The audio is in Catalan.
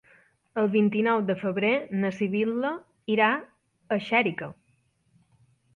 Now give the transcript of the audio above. El vint-i-nou de febrer na Sibil·la irà a Xèrica.